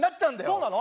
そうなの？